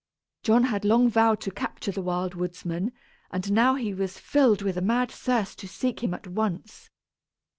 John had long vowed to capture the Wild Woodsman; and now he was filled with a mad thirst to seek him at once.